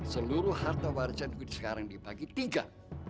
seluruh harta warisan sekarang dibagi tiga